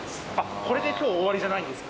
これで今日終わりじゃないんですか？